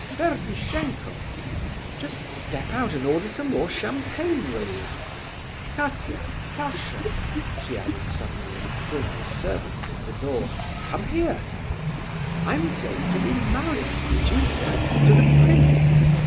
Ferdishenko, just step out and order some more champagne, will you? Katia, Pasha," she added suddenly, seeing the servants at the door, "come here! I'm going to be married, did you hear? To the prince.